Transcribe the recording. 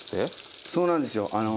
そうなんですよ。